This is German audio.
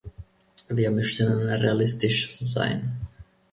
Wir müssen realistisch sein.